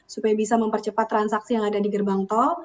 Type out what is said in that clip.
supaya bisa mempercepat transaksi yang ada di gerbang tol